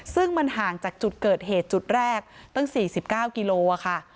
ซึ่งมันห่างจากจุดเกิดเหตุจุดแรกตั้ง๔๙กิโลค่ะ